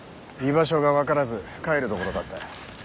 居場所が分からず帰るところだった。